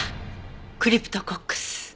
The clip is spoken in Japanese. クリプトコックス。